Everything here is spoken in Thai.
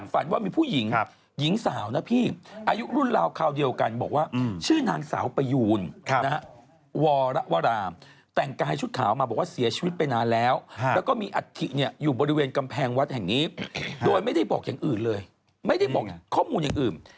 ฝันว่ามีผู้หญิงหญิงสาวนะพี่อายุรุ่นราวคราวเดียวกันบอกว่าชื่อนางสาวประยูนวรวรามแต่งกายชุดขาวมาบอกว่าเสียชีวิตไปนานแล้วแล้วก็มีอัฐิอยู่บริเวณกำแพงวัดแห่งนี้โดยไม่ได้บอกอย่างอื่นเลยไม่ได้บอกข้อมูลอย่างอื่น